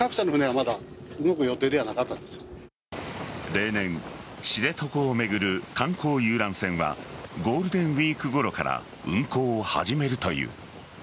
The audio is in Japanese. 例年、知床を巡る観光遊覧船はゴールデンウイークごろから運航を始めるという。